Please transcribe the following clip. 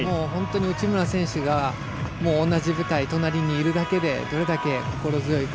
内村選手が同じ舞台、隣にいるだけでどれだけ心強いか。